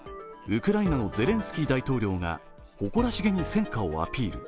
ウクライナのゼレンスキー大統領が誇らしげに戦果をアピール。